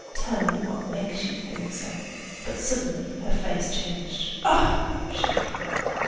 "Tell me what makes you think so!" But suddenly her face changed. "Oh!" she cried.